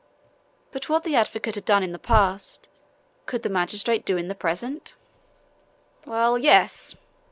But what the advocate had done in the past could the magistrate do in the present? "Well, yes!"